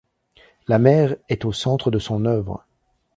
La mer est au centre de son œuvre.